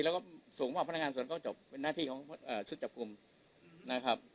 แล้วก็ส่งว่าพนักงานส่วนก็จบเป็นหน้าที่ของชุดจับกลุ่มนะครับ